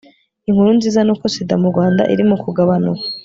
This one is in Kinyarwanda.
inkuru nziza ni uko sida mu rwanda iri mukugabanuka